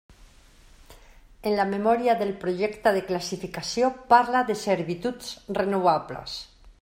En la memòria del projecte de classificació parla de servituds renovables.